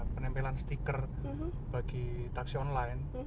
penempelan stiker bagi taksi online